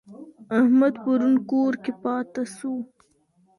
احمد پرون په کور کي پاته سو.